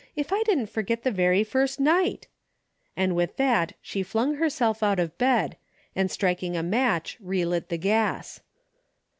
If I didn't forget the very first night," and with that she flung her self out of bed, and striking a match, relit the gas.